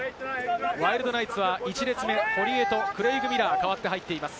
ワイルドナイツは１列目、堀江とクレイグ・ミラーが代わって入っています。